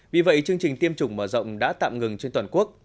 vì vậy chương trình tiêm chủng mở rộng đã tạm ngừng trên toàn quốc